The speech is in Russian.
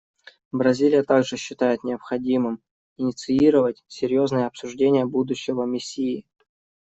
Бразилия также считает необходимым инициировать серьезное обсуждение будущего Миссии.